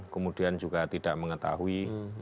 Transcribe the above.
kemudian juga tidak mengetahui